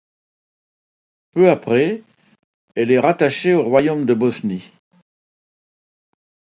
Peu après, elle est rattachée au Royaume de Bosnie.